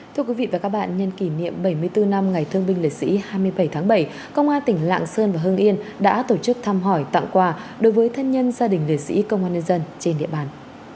thưa quý vị và các bạn nhân kỷ niệm bảy mươi bốn năm ngày thương binh lễ sĩ hai mươi bảy tháng bảy công an tỉnh lạng sơn và hương yên đã tổ chức thăm hỏi tặng quà đối với thân nhân gia đình liệt sĩ công an nhân dân trên địa bàn